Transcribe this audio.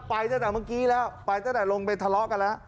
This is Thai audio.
ไปตั้งแต่เมื่อกี้แล้วไปตั้งแต่ลงไปทะเลาะกันแล้ว